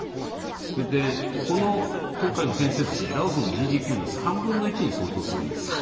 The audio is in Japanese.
これで今回の建設費ラオスのＧＤＰの３分の１に相当するんですよ。